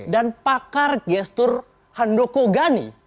dan pakar gestur handoko gani